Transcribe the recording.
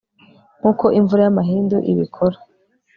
nkuko imvura y'amahindu ibikora